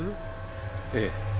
ええ。